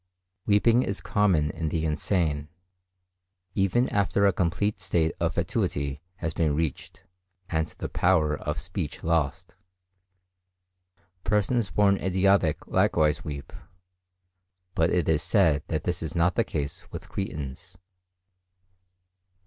Weeping is common in the insane, even after a complete state of fatuity has been reached and the power of speech lost. Persons born idiotic likewise weep; but it is said that this is not the case with cretins.